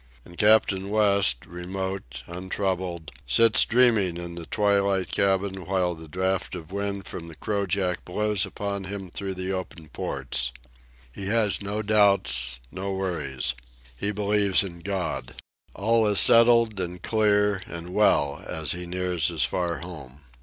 And Captain West, remote, untroubled, sits dreaming in the twilight cabin while the draught of wind from the crojack blows upon him through the open ports. He has no doubts, no worries. He believes in God. All is settled and clear and well as he nears his far home.